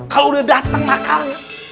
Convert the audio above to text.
kalo udah dateng haikalnya